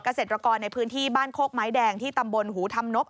เกษตรกรในพื้นที่บ้านโคกไม้แดงที่ตำบลหูธรรมนบ